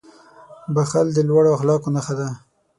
• بښل د لوړو اخلاقو نښه ده.